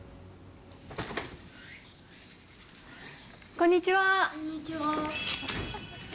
こんにちは。